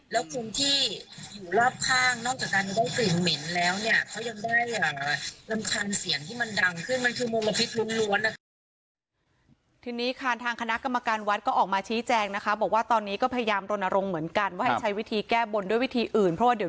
แล้วก็คุณที่อยู่รอบข้างนอกจากที่ได้กลิ่นเหม็นแล้วเนี่ย